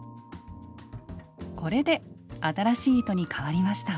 これで新しい糸にかわりました。